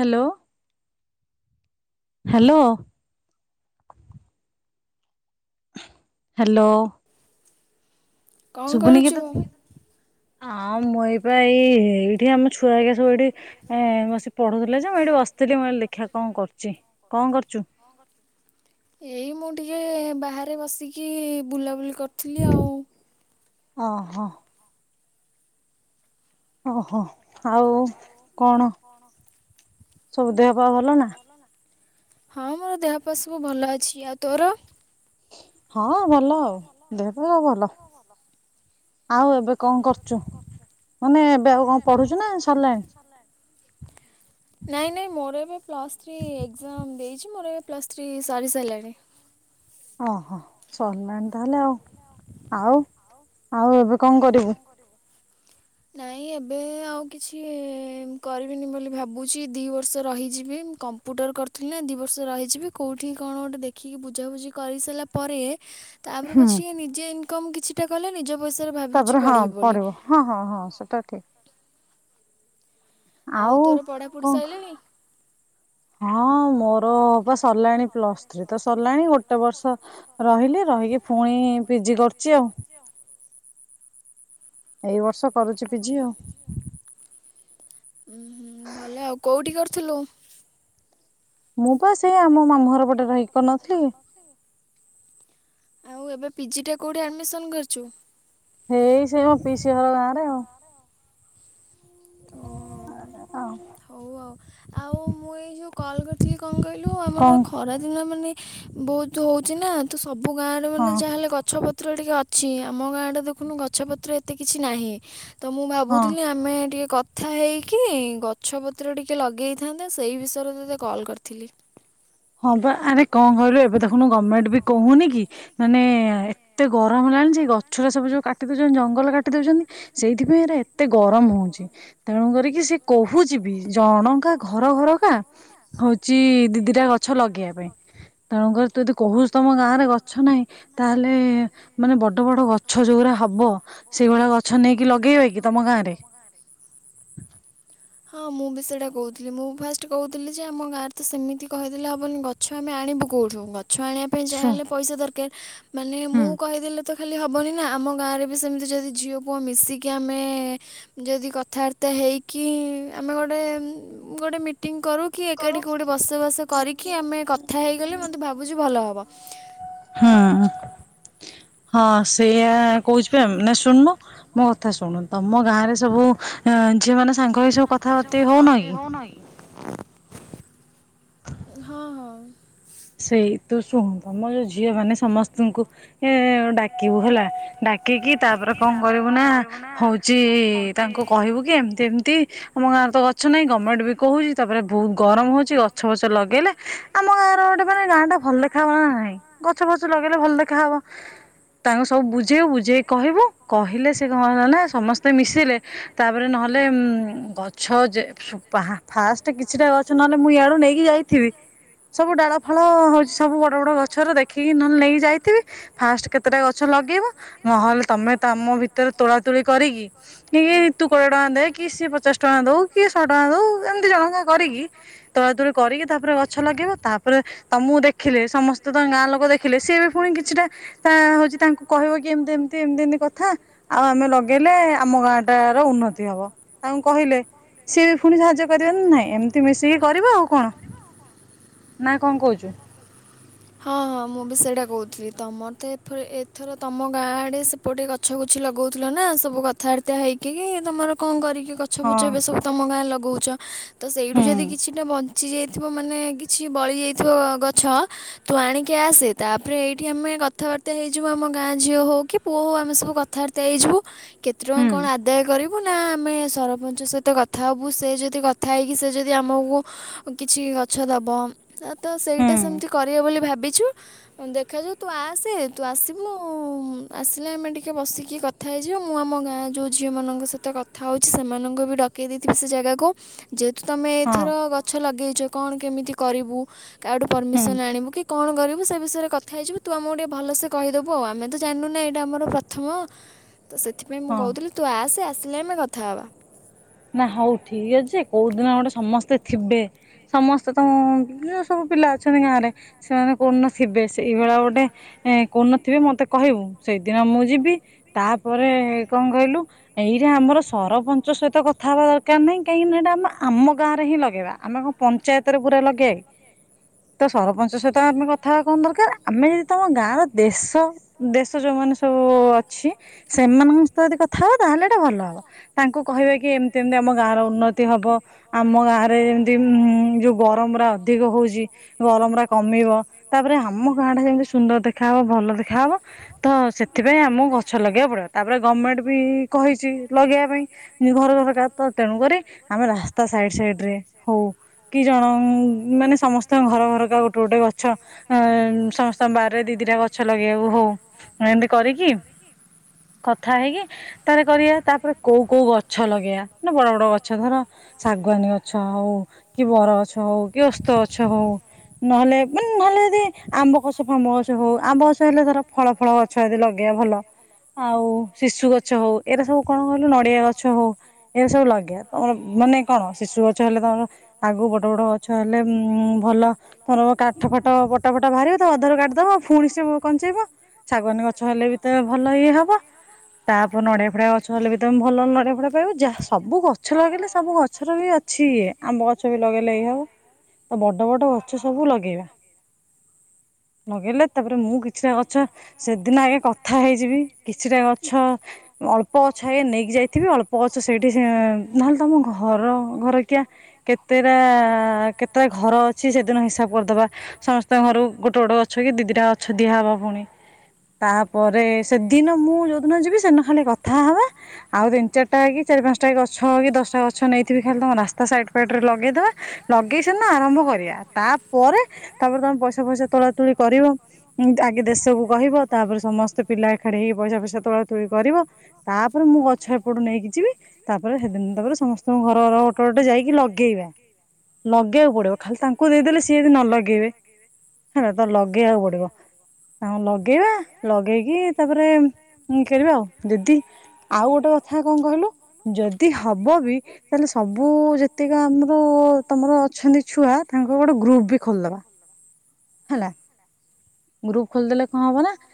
Hello. Hello. Hello. ଶୁବୁନିକି ତତେ ହଁ ମୁ ଏଇପା ଏଇ ଏଇଠି ଆମ ଛୁଆ ଏକା ସବୁ ଏଠି ଏ ବସି ପଢୁଥିଲେଯେ ମୁଁ ଏଇଠି ବସିଥିଲି ମୁଁ କଇଁଲି ଦେଖିଆ କଁ କରୁଚି କଁ କରୁଚୁ? ଏଇ ମୁଁ ଟିକେ ବାହାରେ ବସିକି ବୁଲାବୁଲି କରୁଥିଲି ଆଉ। ଓହୋ। ଓହୋ ଆଉ କଣ ସବୁ ଦେହପା ଭଲ ନା? ହଁ ମୋର ଦେହପା ସବୁ ଭଲ ଅଛି ଆଉ ତୋର? ହଁ ଭଲ ଆଉ ଦେହ ପା ଆଉ ଭଲ ଆଉ ଏ ଏବେ କଣ କରୁଚୁ ମାନେ ଏବେ ଆଉ କଣ ପଢୁଚୁନା ସରିଲାଣି? [inaudible] ନାଇଁ ନାଇଁ ମୋର ଏବେ ପ୍ଲସ୍ ଥ୍ରୀ ଏଗ୍ଜାମ୍ ଦେଇଚି ମୋର ଏବେ ପ୍ଲସ୍ ଥ୍ରୀ ସରି ସାରିଲାଣି। ଓହୋ ସରିଲାଣି ତାହେଲେ ଆଉ ଆଉ ଆଉ ଏବେ କଣ କରିବୁ? ନାଇଁ ଏବେ ଆଉ କିଛି କରିବିନି ବୋଲି ଭାବୁଚି ଦୁଇ ବର୍ଷ ରହିଯିବି କମ୍ପ କମ୍ପ୍ୟୁଟର କରୁଥିଲିନା ଦୁଇ ବର୍ଷ ରହିଯିବି କୋଉଠି କଣ ଗୋଟେ ଦେଖିକି ବୁଝାବୁଝି କରିସାରିଲା ପରେ ତାପରେ ପଛେ ନିଜେ ଇନକମ୍ କିଛିଟା କଲେ ନିଜ ପଇସାରେ ଭାବୁଚି ପଢିବି ବୋଲି। ହଁ ହଁ ହଁ ସେଟା ଠିକ୍। ଆଉ କଁ ଖ ହଁ ମୋରବା ସରିଲାଣି ପ୍ଲସ ଥ୍ରୀତ ସରିଲାଣି ଗୋଟେ ବର୍ଷ ରହିଲେ ରହିକି ପୁଣି ପିଜି କରୁଚି ଆଉ। ଏଇ ବର୍ଷ କରୁଚି ପିଜି ଆଉ। ଉଁ ହୁଁ ଭଲ ଆଉ କୋଉଠି କରିଥିଲୁ? ମୁଁବା ସେଇ ଆମ ମାମୁଁ ଘର ପଟେ ରହିକି କରୁନଥିଲିକି। ଆଉ ଏବେ ପିଜିଟା କେଉଠି ଆଡ଼ମିସନ୍ କରିଚୁ? ହେଇ ସେଇମ ପିସି ଘର ଗାଁରେ ଆଉ। ଆଉ କଁ କ ହଉ ଆଉ ଆଉ ମୁଁ ଏଇ ଯୋଉ କଲ୍ କରିଥିଲି କଁ କଇଁଲୁ ଆମର ଖରା ଦିନ ମାନେ ବହୁତ୍ ହଉଚିନା ତସବୁ ଗାଁରେ ମାନେ ଯାହାହେଲେ ଗଛ ପତ୍ର ଟିକେ ଅ ଅଛି ଆମ ଗାଁ ଆଡ଼େ ଦେଖୁନୁ ଗଛପତ୍ର ଏତେ କିଛି ନାହିଁ ତମୁଁ ଭାବୁଥିଲି ଆମେ ଟିକେ କ କଥା ହେଇକି ଗଛପତ୍ର ଟିକେ ଲଗେଇଥାନ୍ତା ସେଇ ବିଷୟରେ ତତେ କଲ୍ କରିଥିଲି। ହଁବା ଆରେ କଁ କହିଲୁ ଏବେ ଦେଖୁନୁ ଗମେଣ୍ଟେବି କହୁନିକି ମାନେ ଏତେ ଗରମ ହେଲାଣିଯେ ଗଛଅରା ସବୁ ଯୋଉ କାଟି ଦଉଚନ୍ତି ଜଙ୍ଗଲ କାଟି ଦଉଚନ୍ତି‌। ସେଇଥିପାଇଁ ଏରା ଏତେ ଗରମ ହଉଚି ତେଣୁ କରିକି ସେ କହୁଚିବି ଜଣକା ଘର ଘରକା ହଉଚି ଦିଦିଟା ଗ ଛ ଲଗେଇବା ପାଇଁ ତେଣୁକରି ଯଦି କହୁଚୁ ତମ ଗାଁରେ ଗଛ ନାହିଁ ତାହେଲେ ମାନେ ବଡ଼ ବଡ଼ ଗଛ ଯୋଉଗୁରା ହବ ସେଇଭଳିଆ ଗଛ ନେଇକି ଲଗେଇବାକି ତମ ଗାଁରେ? [inaudible] ହଁ ମୁଁ ବି ସେଇଟା କହୁଥିଲି ମୁଁ ଫାଷ୍ଟ କହୁଥିଲି ଯେ ଆମ ଗାଁରେ ତ ସେମିତି କହିଦେଲେ ହେବନି ଗ ଗଛ ଆମେ ଆଣିବୁ କୋଉଠୁ? ଗଛ ଆଣିବା ପାଇଁ ଚାହିଁଲେ ପଇସା ଦରକାର ମାନେ ମୁଁ କହିଦେଲେ ତ ଖାଲି ହେବନି ନା ଆମ ଗାଁରେ ବି ସେମିତି ଯଦି ଝିଅ ପୁଅ ମିଶିକି ଆମେ ଯଦି କଥାବାର୍ତ୍ତା ହେଇକି ଆମେ ଗୋଟେ ଗୋଟେ ମିଟିଂ କରୁ କି ଏକାଠି କେଉଟେ ବସବାସ କରିକି ଆମେ କଥା ହେଇଗଲେ ମୋତେ ଭାବୁଛି ଭଲ ହେବ। ହୁଁ ହଁ ସେଇୟା କହୁଚି ଶୁଣୁନୁ ମୋ କଥା ଶୁଣୁ ତମ ଗାଁ ରେ ସବୁ ଝିଅ ମାନେ ସାଙ୍ଗ ଏ ସବୁ କଥାବାର୍ତ୍ତି ହଉନ କି। ହଁ ହଁ ସେଇ ତୁ ଶୁଣନ୍ତୁ ମୋ ଯୋଉ ଝିଅ ମାନେ ସମସ୍ତଙ୍କୁ ଏ ଡାକିବୁ ହେଲା ଡା ଡାକିକି ତାପରେ କଣ କରିବୁ ନା ହଉଛି ତାଙ୍କୁ କହିବୁ କି ଏମିତି ଏମିତି ଆମ ଗାଁରେ ତ ଗଛ ନାହିଁ ଗଭର୍ଣ୍ଣମେଣ୍ଟ ବି କହୁଛି ତାପରେ ବହୁତ ଗରମ ହଉଛି ଗଛ ବଛ ଲଗେଇଲେ ଆମ ଗାଁର ଗୋଟେ ମାନେ ଗାଁ ଟା ଭଲ ଦେଖାବ ନାହିଁ ଗଛ ଫଛ ଲଗେଇଲେ ଭଲ ଦେଖା ହବ। ତାଙ୍କୁ ସବୁ ବୁଝେଇବୁ ବୁଝେଇକି କହିବୁ କହିଲେ ସେ କଣ ହେଲା ନା ସମସ୍ତେ ମିଶିଲେ ତାପରେ ନହେଲେ ଉ ଗଛ ଯେ ଫାଷ୍ଟ କିଛିଟା ଗଛଛି ନହେଲେ ମୁଁ ଇଆଡୁ ନେଇକି ଯାଇଥିବି ସବୁ ଡାଳ ଫଳ ହେଉଛି ସବୁ ବଡ଼ ବଡ଼ ଗଛର ଦେଖିକି ନହେଲେ ନେଇକି ଯାଇଥିବି ଫାଷ୍ଟ କେତେଟା ଗଛ ଲଗେଇବ ନହେଲେ ତମେ ତ ଆମ ଭିତରେ ତୋଳା ତୋଳି କରିକି କି ତୁ କୋଡ଼ିଏ ଟଙ୍କା ଦେ କି ସିଏ ପଚାଶ ଟଙ୍କା ଦଉ କି ଶହେ ଟଙ୍କା ଦଉ ଏମିତି ଜଣଙ୍କା କରିକି ତୋଳା ତୁଳି କରିକି ତାପରେ ଗଛ ଲଗେଇବ। ତା ତମକୁ ଦେଖିଲେ ସମସ୍ତେ ତ ଗାଁ ଲୋକ ଦେଖିଲେ ସିଏ ବି ପୁଣି କିଛିଟା ତା ହଉଛି ତାଙ୍କୁ କହିବ କି ଏମତି ଏମତି ଏମତି ଏମତି କଥା ଆଉ ଆମେ ଲଗେଇଲେ ଆମ ଗାଁଟାର ଉନ୍ନତି ହବ। ତାଙ୍କୁ କହିଲେ ସିଏ ବି ପୁଣି ସାହାଯ୍ୟ କରିବେ ନା ନାହିଁ ଏମିତି ମିଶିକି କରିବେ ଆଉ କଣ। ନା କଣ କହୁଛୁ? ହଁ ହଁ ମୁଁ ବି ସେଇଟା କହୁଥିଲି, ତମର ତ ଏପ ଏଥର ତମ ଗାଁ ଆଡ଼େ ସେପଟେ ଗ ଗଛ ଗୁଛି ଲଗାଉଥିଲ ନା ସବୁ କଥାବାର୍ତ୍ତା ହେଇକ କିି ତୁମର କଣ କରିକି ଗଛ ଫଛ ଏବେ ସବୁ ତମ ଗାଁ ଲଗାଉଛ ତ ସେଇଠୁ ଯଦି କିଛିଟା ବ ପାଚି ଯାଇଥିବ ମାନେ କିଛି ବଳି ଯାଇଥିବ ଗଛ ତୁ ଆଣିକି ଆସେ ତାପରେ ଏଇଠି ଆମେ ଗ କଥାବାର୍ତ୍ତା ହେଇଯିବ ଆମ ଗା ଝିଅ ହଉ କି ପୁଅ ହଉ ଆମେ ସବୁ କଥାବାର୍ତ୍ତା ହେଇଯିବୁ କେତେ ଟଙ୍କା କଣ ଆଦାୟ କରିବୁ ସବୁ ନା ଆମେ ସରପଞ୍ଚ ସହିତ କଥା ହବୁ ସେ ଯଦି କଥା ହେଇକି ସେ ଯଦି ଆମକୁ କିଛି ଗଛ ଦବ ତ ସେଇଟା ସେମିତି କରିବେ ବୋଲି ଭାବିଛୁ ଦେଖାଯାଉ ତୁ ଆସେ ତୁ ଆସିବୁ ଆସିଲେ ଆମେ ଟିକେ ଟିକେ ବସିକି କଥା ହେଇଯିବା। ମୁଁ ଆମ ଗାଁ ଯେଉଁ ଝିଅମାନଙ୍କ ସହିତ କଥା ହେଉଛି ସେମାନଙ୍କୁ ବି ଡକେଇ ଦେଇଥିବି ସେ ଜାଗାକୁ। ଯେହେତୁ ତମେ ଏଥର ଗଛ ଲଗେଇଚ କଣ କେମିତି କରିବୁ କାଆଠୁ ପରମିସନ ଆଣିବୁ କି କଣ କରିବୁ ସେ ବିଷୟରେ କ ଥା ହେଇଯିବୁ ତୁ ଆମକୁ ଟିକେ ଭଲସେ କହିଦବୁ ଆମେ ତ ଜାଣିନୁ ନା ଏଇଟା ଆମର ପ୍ରଥମ। ତ ସେଥି ପାଇଁ ମୁଁ କହୁଥିଲି ତୁ ଆସେ ଆସିଲେ ଆମେ କଥା ହବା। ନା ହଉ ଠିକ ଅଛି କୋଉ ଦିନ ଗୋଟେ ସମସ୍ତେ ଥିବେ ସମସ୍ତେ ତମ ଯଉ ସବୁ ପିଲା ଅଛନ୍ତି ଗାଁ ରେ ସେମାନେ କୋଉଦିନ ଥିବେ ସେଇଭଳିଆ ଗୋଟେ ହେଁ କୋଉନଥିବେ ମତେ କହିବୁ ସେଇଦିନ ମୁଁ ଯିବି ତାପରେ କଂ କହିଲୁ ଏଇଟା ଆମର ସରପଞ୍ଚ ସହିତ କ ଥା ହେବା ଦରକାର ନାହିଁ। କାହିଁକିନା ଏଇଟା ଆମ ଆମ ଗାଁରେ ହିଁ ଲଗେଇବା ଆମେ କଂ ପଞ୍ଚାୟତରେ ପୁରା ଲଗେଇବା କି? ତ ସରପଞ୍ଚ ସହିତ ଆମେ କଥାବା କଣ ଦରକାର ଆମେ ଯଦି ତମ ଗାଁର ଦେଶ ଦେଶ ଯୋଉମାନେ ସବୁ ଅଛି। ସେମାନଙ୍କ ସହିତ ଯଦି କଥା ହବ ତାହେଲେ ଏଇଟା ଭଲ ହବ। ତାଙ୍କୁ କହିବା କି ଏମି - - ଯେମତି ଆମ ଗାଁ ର ଉନ୍ନତି ହବ। ଆମ ଗାଁ ରେ ଯେମିତି ଉ ଯୋଉ ଗରମ ଉରା ଅଧିକ ହୋଉଛି- - ଗରମ ଟା କମିବ। ତାପରେ ଆମ ଗାଁ ଟା ଯେମିତି ସୁନ୍ଦର ଦେଖାହବ। ଭଲ ଦେଖାହବ। ତ ସେଥିପାଇଁ ଆମକୁ ଗଛ ଲଗେଇବା ପଡିବ। ତାପରେ ଗମେଣ୍ଟ ବି କହିଚି ଲଗେଇବା ପାଇଁ ଘର ଘରକା। ତ ତେଣୁକରି। ଆମେ ରାସ୍ତା ସାଇଡ୍ ସାଇଡ୍ ରେ ହୋଉ କି ଜଣ ମାନେ ସମସ୍ତ - - ସମସ୍ତଙ୍କ ଘର ଘରକା ଗୋଟେ ଗୋଟେ ଗଛ ଅ ସମସ୍ତଙ୍କ ବାରିରେ ଦି ଦିଟା ଗଛ ଲଗେଇବାକୁ ହୋଉ - - ଏମିତି କରିକି କଥା ହେଇକି ତାରେ କରିଆ ତାପରେ କୋଉ କୋଉ ଗଛ ଲଗେଇବା ନା ବଡ ବଡ ଗଛ ଧର- - ଶାଗୁଆନୀ ଗଛ ହଉ କି? ବର ଗଛ ହଉ କି? ଓସ୍ତ ଗଛ ହୋଉ? ନହେଲେ ମାନେ ନହେଲେ ଯଦି ଆମ୍ବ କସ ଫାମ୍ବ ଗଛ ହଉ। ଆମ୍ବ ଗଛ ହେଲେ ଧର ଫଳ ଫଳ ଅ- - ଗଛ ଯଦି ଲଗେଇବା ଭଲ। ଆଉ ଶିଶୁ ଗଛ ହଉ। ଏରା ସବୁ କଣ କହିଲୁ ନଡିଆ ଗଛ ହଉ- - ଏରା ସବୁ ଲ ଆଜ୍ଞା ତମର ମାନେ କଣ। ଶିଶୁ ଗଛ ହେଲେ ତମର ଆଗକୁ ବଡ ବଡ ଗଛ ହେଲେ ଭଲ। ତମର କାଠ ଫାଟ ପଟା ଫଟା ବାହାରିବ ତ ଅଧାରୁ କାଟି ଦବ ପୁଣି ସେ କଞ୍ଚେଇବ ଶାଗୁଆନୀ ଗଛ ହେଲେ ବି - - ତେ ଭଲ ଇଏ ହବ। ତାପରେ ନଡ଼ିଆ ଫଡିଆ ଗଛ ହେଲେ ବି ତମେ ଭଲ ନଡିଆ ଫଡ଼ିଆ ପାଇବ। ଯାହା ସ - - ସବୁ ଗଛ ଲଗେଇଲେ ସବୁ ଗଛର ବି ଅଛି ଇଏ ଆମ୍ବ ଗଛ ବି ଲଗେଇଲେ ଇଏ ହବ ତ ବଡ ବଡ ଗଛ ସବୁ ଲଗେଇବା। ଲଗେଇଲେ ତାପରେ ମୁଁ କିଛିଟା ଗଛ ସେଦିନ ଆଗେ - - କଥା ହେଇଯିବି। କିଛିଟା ଗଛ ଅଳ୍ପ ଗଛ ଆଗେ ନେଇକି ଯାଇଥିବି ଅଳ୍ପ ଗଛ - - ଏଠି ସେ ନହେଲେ ତମ ଘର ଘର କିିଆ - - କେତେଟା କେତେଟା ଘର ଅଛି ସେଦିନ ହିସାବ କରିଦବା। ସମସ୍ତଙ୍କ ଘରୁ - - ଗୋଟେ ଗୋଟେ ଗଛ କି ଦିଦିଟା ଅଛ ଦିଆହବ ହବ ଫୁ ଣି। ତାପରେ ସେଦିନ ମୁଁ ଯୋଉଦିନ ଯିବି ସେଦିନ ଖାଲି କଥା ହବା ଆଉ ତିନି ଚାରିଟା ହେ- - ଚାରି ପାଞ୍ଚଟା ଗଛ କି ଦଶଟା ଗଛ ନେଇଥିବି ଖାଲି ତମ ରାସ୍ତା ସାଇଟ୍ ଫାଇଟରେ ଲଗେଇଦବା। ଲଗେଇ ସାଇଲେ ଆରମରେ କରିବା। ତାପରେ, ତାପରେ ତମେ ପଇସା ଫଇସା ତୋଳା ତୋଳି କରିବ। ଆଗେ ଦେଶକୁୁ କହିବ। ତାପରେ ସମସ୍ତେ ପିଲା ଏକାଠି ହେଇକି ପଇସା ପଇସା ତୋଳା ତୋଳି କରିବ। ତାପରେ ମୁଁ ଗଛ ଏପଡୁ ନେଇକି ଯିବି। ତାପରେ ହେଦିନ ତାପରେ ସମସ୍ତଙ୍କୁ ଘର ଘର ଗୋଟେ ଗୋଟେ ଯାଇକି ଲଗେଇବୁ। ଲଗେଇବାକୁ ପଡିବ। ଖାଲି ତାଙ୍କୁ ଦେଇଦେଲେ ସିଏ ଯଦି ନ ଲଗେଇବେ। ତ ଲଗେଇବାକୁ ପଡିବ। ଲଗେଇବା। ଲଗେଇକି ତାପରେ ଖେଳିବା ଆଉ ଯେଦି- - ଆଉ ଗୋଟେ କଥା କଣ କହିଲୁ। ଯଦି ହବ ତାହେଲେ ସବୁ ଯେତିକ ଆମର ତମର ଅଛନ୍ତି ଛୁଆ। ତାଙ୍କୁ ଗୋଟେ ଗ୍ରୁପ ବି ଖୋଲିଦବା। ହେଲା। [inaudible] ଗ୍ରୁପ ଖୋଲିଦେଲେ କଣ ହବ ନା - -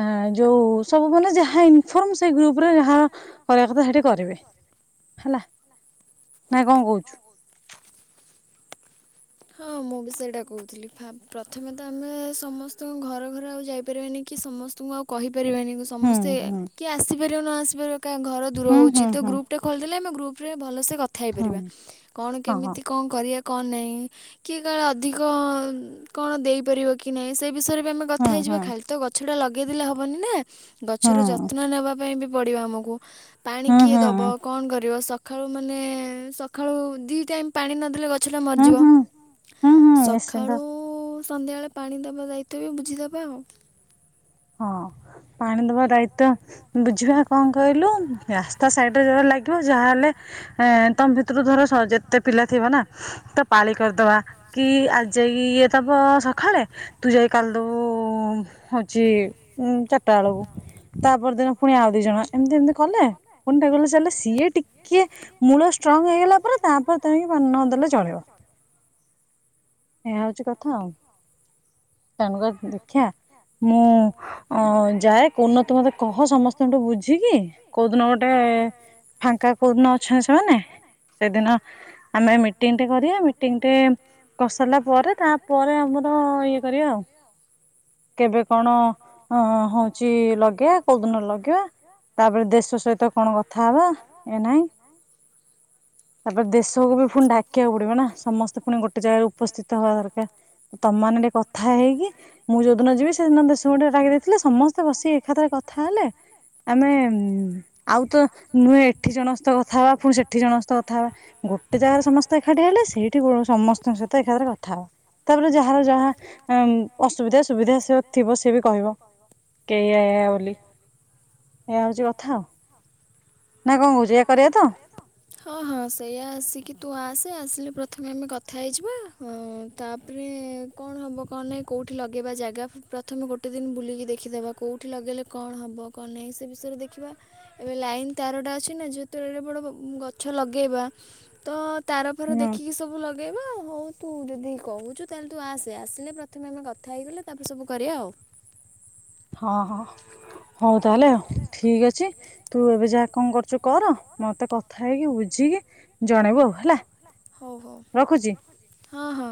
ଆ ଯୋଉ ସବୁ ମାନେ ଯାହା ଇନଫର୍ମ ସେ ଗ୍ରୁପରେ ଯାହା- - କରିବା କଥା ହେଠି କରିବେ ହେଲା ନା କଣ କୋହୁଛୁ? ବହୁତ [inaudible] ହଁ ମୁଁ ବି ସେଇଟା କହୁଥିଲି ପ୍ରଥମେ ତ ଆମେ ସମସ୍ତଙ୍କ ଘର ଘର ଆଉ ଯାଇପାରିବାନି କି ସମସ୍ତ ତୁ ଆଉ କହିପାରିବାନି ସମସ୍ତେ କିଏ ଆସିପାରିବ ନ ଆସିପାରିବ କା ଘର ଦୂର ହେଉଛି ତ ଗ୍ରୁପ୍ ଫୋନ୍ ଖୋଲିଦେଲେ ଆମେ ଗ୍ରୁପରେ ଭଲସେ କଥା ହେଇପାରିବା କଣ କେମିତି କଣ କରିବା କଣ ନାହିଁ। କିଏ କାଳେ ଅଧିକ କଣ ଦେଇପାରିବ କି ନାହିଁ ସେ ବିଷୟରେ ବି ଆମେ କଥା ହେଇଯିବା ଖାଲି ତ ଗଛ ଟା ଲଗେଇଦେଲେ ହବନି ନା ଗଛର ଯତ୍ନ ନେବା ପାଇଁ ବି ପଡିବ। [unintelligible] ପାଣି କିଏ ଦବ କଣ କରିବ ସକାଳୁ ମାନେ ସକାଳୁ ଦୁଇ ଟାଇମ୍ ପାଣି ନଦେଲେ ଗଛଟା ମରିଯିବ। ସକାଳୁ ସନ୍ଧ୍ୟାବେଳେ ପାଣି ଦବା ଦାଇତ୍ବ ବି ବୁଝିଦବା ଆଉ। ହଁ ପାଣି ଦବା ପ୍ରାୟତଃ ବୁଝିବା କଣ କହିଲୁ ରାସ୍ତା ସାଇଡରେ ଯୋଉଟା ଲାଗିବ ଯାହାହେଲେ ତମ ଭିତରୁ ଧର ଯେତେ ପିଲା ଥିବ ନା ତ ପାଳି କରିଦବା କି ଆଜି ଯାଇ ଇଏ ଦବ ସକାଳେ ତୁ ଯାଇ କାଲି ଦବୁ ଦବୁ ହଉଛି ଉ ଚାରିଟା ବେଳକୁ। ତାପର ଦିନ ପୁଣି ଆଉ ଦି ଜଣ ଏମିତି ଏମିତି କଲେ ପୁଣି ଡାଗୁଲ ଚାଲେ ସିଏ ଟିକିଏ ମୂଳ ଷ୍ଟ୍ରଙ୍ଗ ହେଇଗଲା ପରେ ତାପରେ ତେଣିକି ପାଣି ନଦେଲେ ଚଳିବ। ଏଇଆ ହଉଛି କଥା ଆଉ। ତେଣୁକରି ଦେଖିଆ ମୁଁ ଅ ଯାଏ କୋଉଦିନ ତୁ ମତେ କହ ସମସ୍ତଙ୍କଠୁ ବୁଝିକି କୋଉଦିନ ଗୋଟେ ଫାଙ୍କା କୋଉଦିନ ଅଛନ୍ତି ସେମାନେ ସେଦିନ ଆମେ ମିଟିଂଟେ କରିବା। ମିଟିଂଟେ କରିସାରିଲା ପରେ ତାପରେ ଆମର ଇଏ କରିବା ଆଉ। କେବେ କଣ ଅ ହଉଛି ଲଗ ଏଇଆ କୋଉ ଦିନ ଲଗେଇବା ତାପରେ ଦେଶ ସହିତ କଣ କଥା ହବା ଏ ନାହିଁ। ତାପରେ ଦେଶକୁ ବି ପୁଣି ଡାକିବାକୁ ପଡିବ ନା ସମସ୍ତେ ପୁଣି ଗୋଟେ ଜାଗାରେ ଉ ଉପସ୍ଥିତ ହବା ଦରକାର। ତମେମାନେ ଟିକେ କଥା ହେଇକି ମୁଁ ଯୋଉ ଦିନ ଯିବି ସେଦିନ ଦେଶଙ୍କୁ ଟିକେ ଡାକି ଦେଇଥିଲେ ସମସ୍ତେ ବସିିକି ଏକାଥରେ କଥା ହେଲେ ଆମେ ଆଉ ତ ନୁହେଁ ଏଠି ଜଣଙ୍କ ସହିତ କଥା ହବା ପୁଣି ସେଠି ଜଣଙ୍କ ସହିତ କଥା ହେବା ଗୋଟେ ଜାଗାରେ ସମସ୍ତେ ଏକାଠି ହେଲେ ସେଇଠି ସମସ୍ତଙ୍କ ସହିତ ଏକାଥରେ କଥା ହବା। ତାପରେ ଯାହାର ଯାହା ଅ ଅସୁବିଧା ସୁବିଧା ଥିବ ସେ ବି କହିବ। ଏଇଆ ଏଇଆ ବୋଲି ଏଇଆ ହେଉଛି କଥା ଆଉ। ନା କଣ କହୁଛ ଏଇଆ କରିବା ତ? ହଁ ହଁ ସେଇଆ ଆସିକି ତୁ ଆସେ ଆସିଲେ ପ୍ରଥମେ ଆମେ କଥା ହେଇଯିବା। ହଁ ତାପରେ କଣ ହେବ କଣ ନାହିଁ କୋଉଠି ଲଗେଇବା ଜାଗା ପ୍ରଥମେ ଗୋଟେ ଦିନ ବୁଲିକି ଦେଖିଦେବା କୋଉ କୋଉଠି ଲଗେଇଲେ କଣ ହବ କଣ ନାହିଁ ସେ ବିଷୟରେ ଦେଖିବା। ଏବେ ଲାଇନ୍ ତାରଟା ଅଛି ନା ଯେତେବେଳେ ବଡ଼ ଗଛ ଲଗେଇବା ତ ତାର ଫାର ଦେଖିକି ସବୁ ଲ ଲଗେଇବା ହଉ ତୁ ଯଦି କହୁଛୁ ତାହେଲେ ତୁ ଆସେ ଆସିଲେ ପ୍ରଥମେ ଆମେ କଥା ହେଇଗଲେ ତାପରେ ସବୁ କରିବା ଆଉ। ହଁ ହଁ ହଉ ତାହେଲେ ଆଉ ଠିକ୍ ଅଛି। ତୁ ଏବେ ଯାହା କଣ କରୁଛୁ କର ମତେ କଥା ହେଇକି ବୁଝିକି ଜଣେଇବୁ ଆଉ ହେଲା। ହଉ ହଉ ହଉ। ହଁ ହଁ।